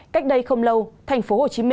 cách đây không lâu tp hcm